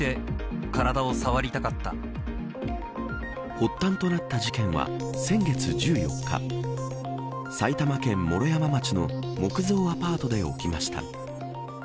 発端となった事件は先月１４日埼玉県毛呂山町の木造アパートで起きました。